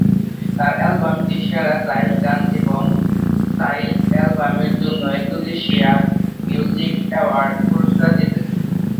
তার অ্যালবামটি সেরা চাইল্ড গান এবং চাইল্ড অ্যালবামের জন্য ইন্দোনেশিয়া মিউজিক অ্যাওয়ার্ডস পুরস্কার জিতেছে।